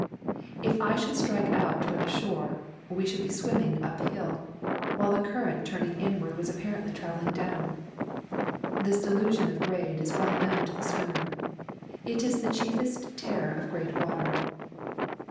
If I should strike out toward the shore, we should be swimming up hill, while the current turning inward was apparently travelling down. This delusion of grade is well known to the swimmer. It is the chiefest terror of great water.